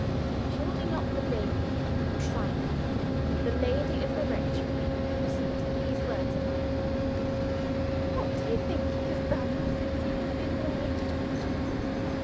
Holding up the baby in triumph, the lady of the rectory whispered these words in my ear: "What do you think he has done since you have been away?"